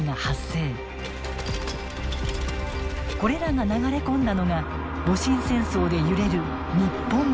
これらが流れ込んだのが戊辰戦争で揺れる日本だったのです。